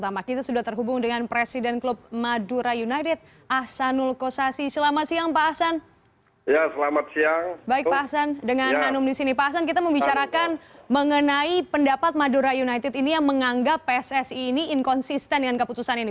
madura united ini yang menganggap pssi ini inkonsisten dengan keputusan ini